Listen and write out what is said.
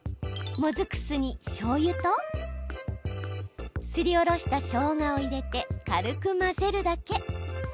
もずく酢にしょうゆとすりおろしたしょうがを入れて軽く混ぜるだけ。